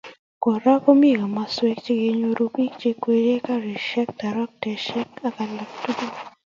Kora komii komoswek che kinyor bik cheikwerie karisiek, taktariek ak alak tukul